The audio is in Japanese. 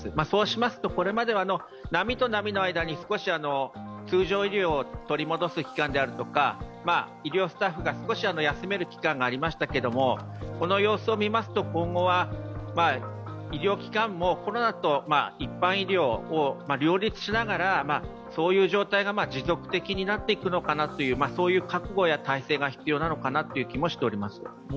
そうしますと、これまでは波と波の間に通常医療を取り戻す期間とか医療スタッフが少し休める期間がありましたけれどもこの様子を見ますと今後は医療機関もコロナと一般医療を両立しながらそういう状態が持続的になっていくのかな、そういう体制や覚悟が必要なのかなと思います。